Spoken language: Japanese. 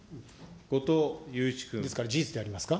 ですから、事実でありますか。